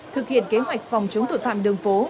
thực hiện kế hoạch phòng chống tội phạm đường phố